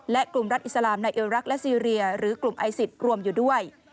และกลุ่มรัฐอิสลามในเอลรักและซีเรียหรือกลุ่มไอซิสรวมอยู่ด้วย